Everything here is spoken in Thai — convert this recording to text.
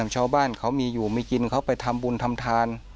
ชาวบ้านเขามีอยู่มีกินเขาไปทำบุญทำทาน